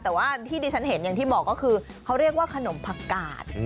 แต่ว่าที่ดิฉันเห็นอย่างที่บอกก็คือเขาเรียกว่าขนมผักกาด